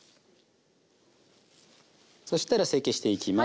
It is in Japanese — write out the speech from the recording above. そしたら成形していきます。